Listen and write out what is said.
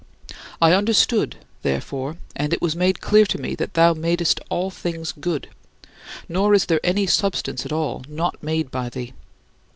I understood, therefore, and it was made clear to me that thou madest all things good, nor is there any substance at all not made by thee.